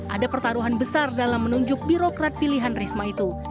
ada pertaruhan besar dalam menunjuk birokrat pilihan risma itu